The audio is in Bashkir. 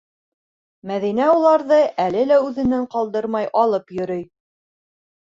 Мәҙинә уларҙы әле лә үҙенән ҡалдырмай алып йөрөй.